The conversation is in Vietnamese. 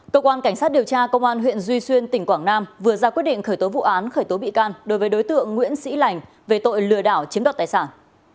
cơ quan cảnh sát điều tra công an huyện duy xuyên tỉnh quảng nam vừa ra quyết định khởi tố vụ án khởi tố bị can đối với đối tượng nguyễn sĩ lành về tội lừa đảo chiếm đoạt tài sản